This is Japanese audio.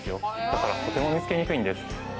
だからとても見つけにくいんです。